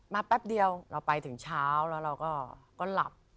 แป๊บเดียวเราไปถึงเช้าแล้วเราก็หลับ